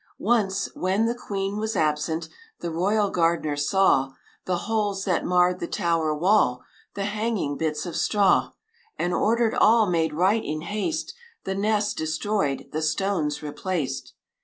Once, when the Queen was absent, The royal gardener saw The holes that marred the tower wall, The hanging bits of straw, And ordered all made right in haste The nests destroyed, the stones replaced.